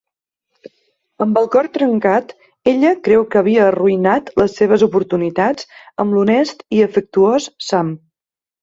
Amb el cor trencat, ella creu que havia arruïnat les seves oportunitats amb l'honest i afectuós Sam.